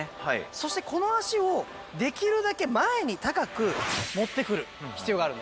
「そしてこの足をできるだけ前に高く持ってくる必要があるんです」